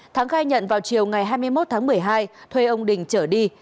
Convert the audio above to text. thắng khai nhận vào chiều ngày hai mươi một tháng một mươi hai thuê ông đình trở đi